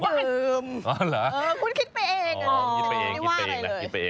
เอาไว้ดื่มคุณคิดไปเองไม่ว่าไปเลย